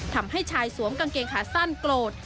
ทำให้ชายสวมกางเกงขาสั้นโกรธ